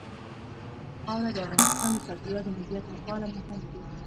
خاوره د افغانستان د چاپیریال د مدیریت لپاره مهم دي.